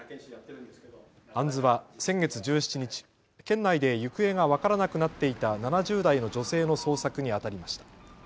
アンズは先月１７日、県内で行方が分からなくなっていた７０代の女性の捜索にあたりました。